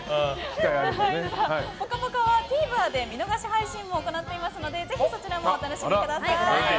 「ぽかぽか」はＴＶｅｒで見逃し配信も行っておりますのでぜひそちらもお楽しみください。